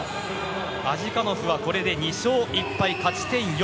アジカノフはこれで２勝１敗勝ち点４